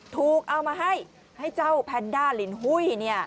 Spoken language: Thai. ถูกเอามาให้เจ้าแพนด้าลินหุ้ย